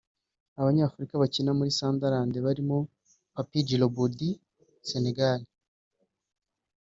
Abanyafurika bakina muri Sunderland barimo Papy Djilobodji (Sénégal)